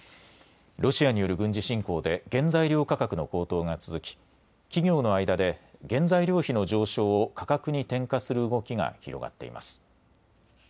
ロシアによる軍事侵攻で原材料価格の高騰が続き企業の間で原材料費の上昇を価格に転嫁する動きが広がっています。